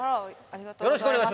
ありがとうございます。